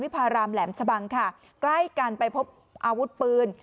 พารามแหลมชะบังค่ะใกล้กันไปพบอาวุธปืน